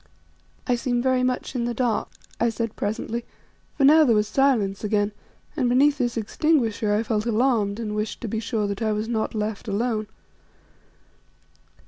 "I seem very much in the dark," I said presently; for now there was silence again, and beneath this extinguisher I felt alarmed and wished to be sure that I was not left alone.